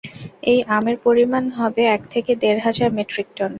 এই আমের পরিমাণ হবে এক থেকে দেড় হাজার মেট্রিক টন।